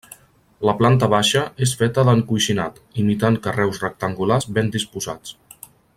La planta baixa és feta d'encoixinat, imitant carreus rectangulars ben disposats.